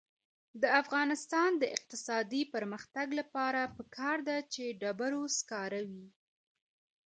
د افغانستان د اقتصادي پرمختګ لپاره پکار ده چې ډبرو سکاره وي.